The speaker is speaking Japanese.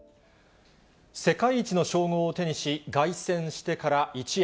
世界一の称号を手にし、凱旋してから一夜。